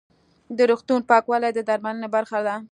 د روغتون پاکوالی د درملنې برخه ده.